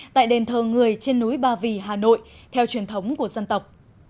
tại đền thờ người trên núi ba vì hà nội theo truyền thống của dân tộc